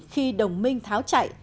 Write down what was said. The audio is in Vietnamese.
khi đồng minh tháo chạy